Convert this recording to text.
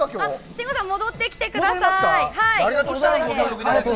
信五さん、戻ってきてください。